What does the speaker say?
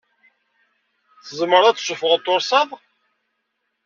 Tzemreḍ ad tessuffɣeḍ tursaḍ?